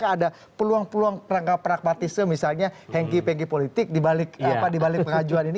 apakah ada peluang peluang perangkap pragmatisme misalnya hengkih pengkih politik dibalik pengajuan ini